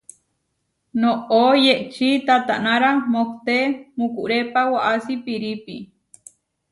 Noʼó yehčí tatanára mohté mukurépa waʼasí pirípi.